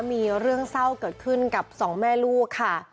มีเรื่องเศร้าเกิดขึ้นกับสองแม่ลูกค่ะ